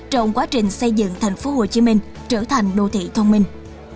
trong quá trình xây dựng tp hcm trở thành đô thị thông minh